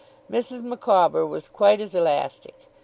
Mrs. Micawber was quite as elastic.